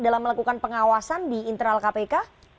dalam melakukan pengawasan di internal kpk